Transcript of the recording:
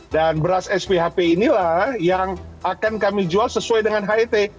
dan beras sphp inilah yang akan kami jual sesuai dengan het